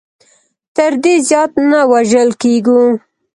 تر دې زیات نه وژل کېږو.